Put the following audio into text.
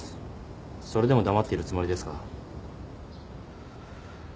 それでも黙っているつもりですか？